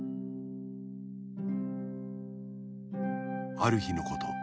「」あるひのこと